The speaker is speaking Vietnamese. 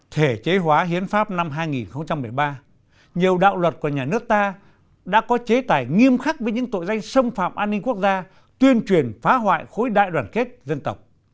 thể chế hóa hiến pháp năm hai nghìn một mươi ba nhiều đạo luật của nhà nước ta đã có chế tài nghiêm khắc với những tội danh xâm phạm an ninh quốc gia tuyên truyền phá hoại khối đại đoàn kết dân tộc